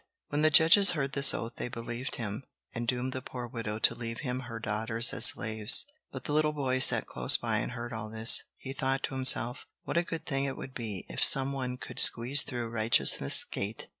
When the judges heard this oath they believed him, and doomed the poor widow to leave him her daughters as slaves. But the little boy sat close by and heard all this. He thought to himself: What a good thing it would be if some one could squeeze through Righteousness' Gate!